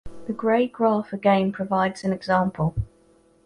The Gray graph again provides an example.